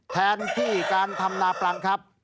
แทนที่การทำนาปรังครับ